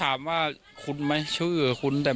แล้วอันนี้ก็เปิดแล้ว